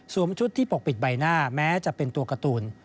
ชุดที่ปกปิดใบหน้าแม้จะเป็นตัวการ์ตูน